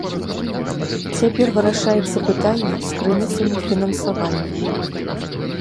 Цяпер вырашаецца пытанне з крыніцамі фінансавання.